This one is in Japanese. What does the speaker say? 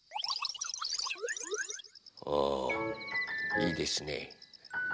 おいいですね。